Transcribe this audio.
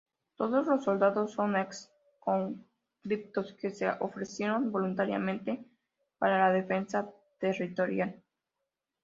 Todos los soldados son ex conscriptos que se ofrecieron voluntariamente para la Defensa Territorial.